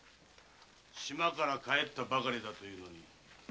島から帰ったばかりだというのに。